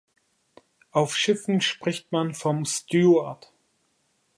Auf Schiffen spricht man vom Steward.